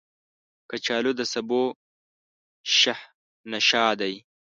کچالو د سبو شهنشاه دی